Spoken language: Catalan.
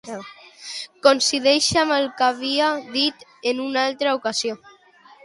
Coincideix amb el que havia dit en una altra ocasió?